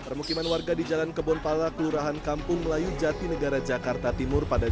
permukiman warga di jalan kebonpala kelurahan kampung melayu jati negara jakarta timur pada